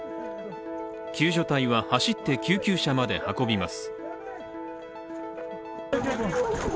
救助隊は走って救急車まで運びます。